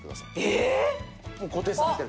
えっ！？